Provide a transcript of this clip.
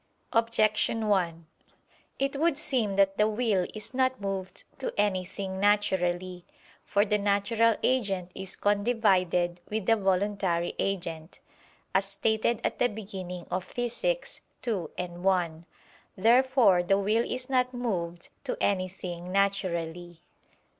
Objection 1: It would seem that the will is not moved to anything naturally. For the natural agent is condivided with the voluntary agent, as stated at the beginning of Phys. ii, 1. Therefore the will is not moved to anything naturally.